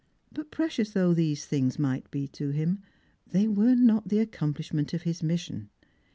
But precious though these things might be to him, thej^ were not the accomplishment of his mission.